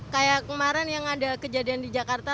kayak kemarin yang ada kejadian di jakarta